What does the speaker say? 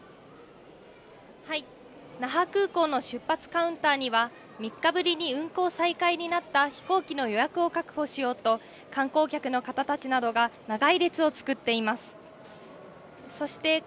那覇空港の出発カウンターには、３日ぶりに運航再開になった飛行機の予約を確保しようと、観光客の方たちなどが長い列を作っています。